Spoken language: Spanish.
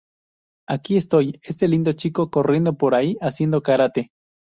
Aquí estoy, este lindo chico corriendo por ahí haciendo karate.